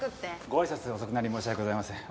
ごあいさつ遅くなり申し訳ございません。